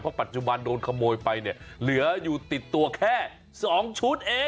ปัจจุบันโดนขโมยไปเนี่ยเหลืออยู่ติดตัวแค่๒ชุดเอง